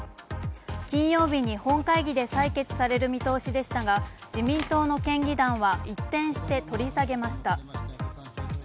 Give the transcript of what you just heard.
金曜日に本会議で採決される見通しでしたが自民党の県議団は一転して取り下げました。